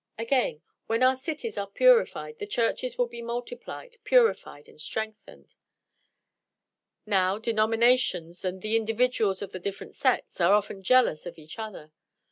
Again: when our cities are purified the churches will be multiplied, purified, and strengthened. Now, denominations, and the individuals of the different sects, are often jealous of each other.